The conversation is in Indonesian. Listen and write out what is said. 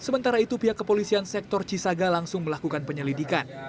sementara itu pihak kepolisian sektor cisaga langsung melakukan penyelidikan